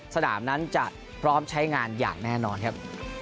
สนามนั้นจะพร้อมใช้งานอย่างแน่นอนครับ